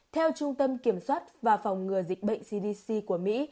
theo trung tâm kiểm soát và phòng ngừa dịch bệnh cdc của mỹ